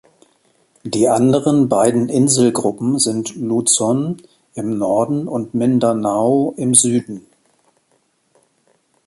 Die anderen beiden Inselgruppen sind Luzon im Norden und Mindanao im Süden.